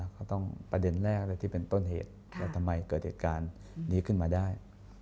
ก็ต้องประเด็นแรกเลยที่เป็นต้นเหตุว่าทำไมเกิดเหตุการณ์นี้ขึ้นมาได้